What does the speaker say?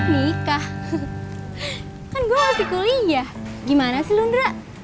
nikah kan gue masih kuliah gimana sih lo ndra